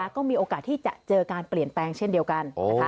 ก็มีโอกาสที่จะเจอการเปลี่ยนแปลงเช่นเดียวกัน